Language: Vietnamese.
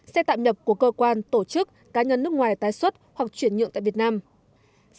xe tạm nhập của cơ quan tổ chức cá nhân nước ngoài